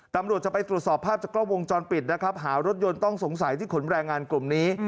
ตำรวจจะไปตรวจสอบภาพจากกล้องวงจรปิดนะครับหารถยนต์ต้องสงสัยที่ขนแรงงานกลุ่มนี้